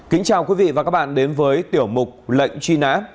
kính chào quý vị và các bạn đến với tiểu mục lệnh truy nã